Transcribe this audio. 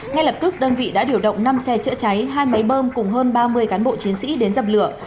ngay lập tức đơn vị đã điều động năm xe chữa cháy hai máy bơm cùng hơn ba mươi cán bộ chiến sĩ đến dập lửa